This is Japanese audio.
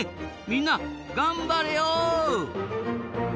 みんな頑張れよ！